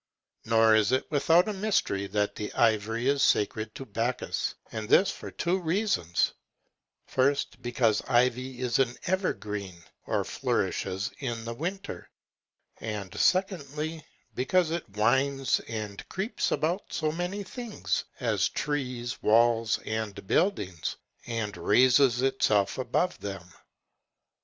Nor is it without a mystery that the ivy was sacred to Bacchus, and this for two reasons: first, because ivy is an evergreen, or flourishes in the winter; and secondly, because it winds and creeps about so many things, as trees, walls, and buildings, and raises itself above them.